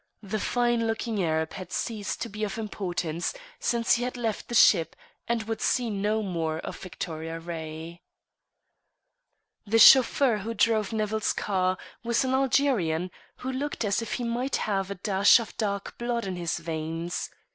The fine looking Arab had ceased to be of importance since he had left the ship, and would see no more of Victoria Ray. The chauffeur who drove Nevill's car was an Algerian who looked as if he might have a dash of dark blood in his veins.